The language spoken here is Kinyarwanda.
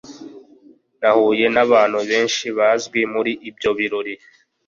Nahuye nabantu benshi bazwi muri ibyo birori